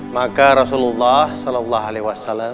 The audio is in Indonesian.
maka rasulullah saw